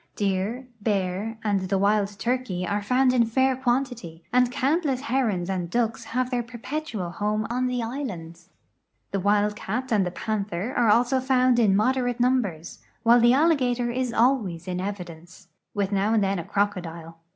Deer, bear, and the wild turke}^ are found in fair quantity, and countless herons and ducks have their perpetual home on the islands. The wild cat and the panther also are found in moderate numbers, while the alligator is always in evidence, with now and then a crocodile.